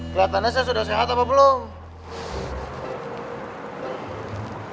kelihatannya saya sudah sehat apa belum